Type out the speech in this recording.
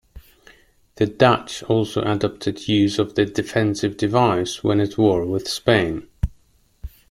The Dutch also adopted use of the defensive device when at war with Spain.